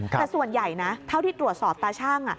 แต่ส่วนใหญ่นะเท่าที่ตรวจสอบตาชั่ง